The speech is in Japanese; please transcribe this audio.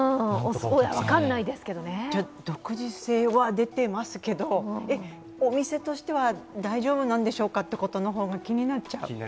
独自性は出てますけどお店としては大丈夫なんでしょうかってことの方が気になっちゃう。